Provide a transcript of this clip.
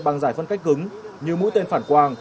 bằng giải phân cách cứng như mũi tên phản quang